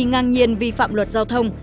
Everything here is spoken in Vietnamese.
ngang nhiên vi phạm luật giao thông